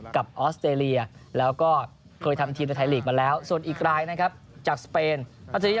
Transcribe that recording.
ออสเตรเลียแล้วก็เคยทำทีมในไทยลีกมาแล้วส่วนอีกรายนะครับจากสเปน